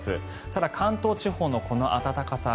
ただ、関東地方のこの暖かさ